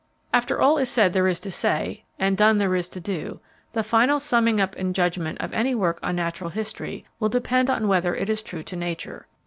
After all is said there is to say, and done there is to do, the final summing up and judgment of any work on Natural History will depend upon whether it is true to nature.